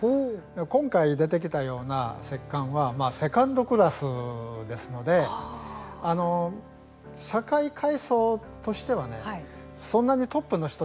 今回出てきたような石棺はセカンドクラスですので社会階層としてはね、そんなにトップの人じゃないと思うんです。